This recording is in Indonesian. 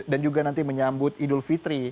dan juga nanti menyambut idul fitri